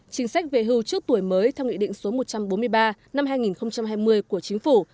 chính sách về hưu trước tuổi mới theo nghị định số một trăm bốn mươi ba năm hai nghìn hai mươi của chính phủ